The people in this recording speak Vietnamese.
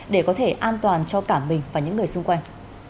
để có thể an toàn cho cả mình và những người xung quanh